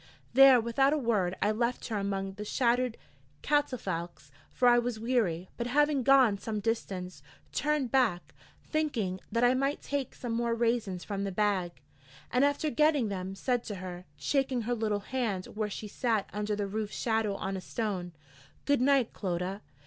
There without a word I left her among the shattered catafalques, for I was weary; but having gone some distance, turned back, thinking that I might take some more raisins from the bag; and after getting them, said to her, shaking her little hand where she sat under the roof shadow on a stone: 'Good night, Clodagh.'